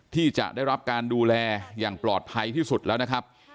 ที่จะได้รับการดูแลอย่างปลอดภัยที่สุดแล้วนะครับ